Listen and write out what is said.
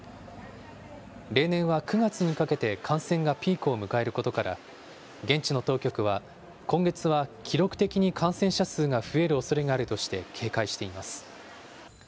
例年は９月にかけて感染がピークを迎えることから、現地の当局は今月は記録的に感染者数が増えるおそれがあるとして、警戒しています。